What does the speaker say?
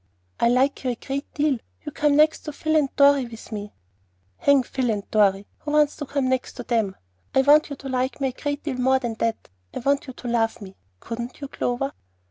"I like you a great deal. You come next to Phil and Dorry with me." "Hang Phil and Dorry! Who wants to come next to them? I want you to like me a great deal more than that. I want you to love me. Couldn't you, Clover?"